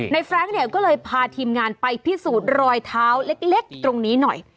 แฟรงค์เนี่ยก็เลยพาทีมงานไปพิสูจน์รอยเท้าเล็กตรงนี้หน่อย